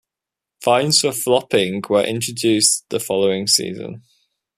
Fines for flopping were introduced the following season.